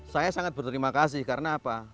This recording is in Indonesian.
saya sangat berterima kasih karena apa